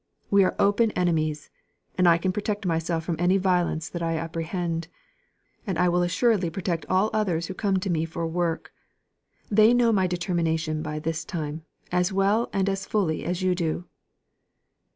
We are open enemies; and I can protect myself from any violence that I apprehend. And I will assuredly protect all others who come to me for work. They know my determination by this time, as well and as fully as you do."